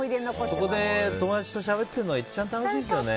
そこで友達としゃべってるのが一番楽しいですよね。